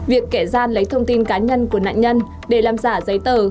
việc kẻ gian lấy thông tin cá nhân của nạn nhân để làm giả giấy tờ